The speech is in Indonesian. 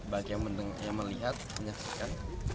bagi yang melihat penyaksikan